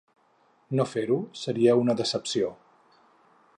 No fer-ho, seria una ‘decepció’.